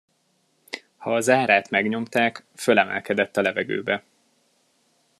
Ha a zárát megnyomták, fölemelkedett a levegőbe.